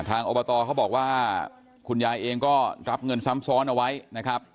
อบตเขาบอกว่าคุณยายเองก็รับเงินซ้ำซ้อนเอาไว้นะครับ